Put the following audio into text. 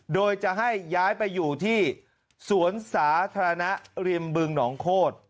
โดยจะให้ย้ายไปอยู่ที่สวนสาธารณะริมบึงหนองโคตร